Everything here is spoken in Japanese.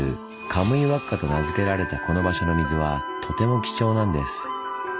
「カムイワッカ」と名付けられたこの場所の水はとても貴重なんです。